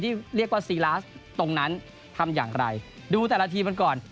ตรงนั้นทำอย่างไรดูแต่ละทีมันก่อน